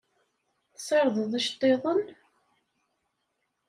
Tessardeḍ iceṭṭiḍen?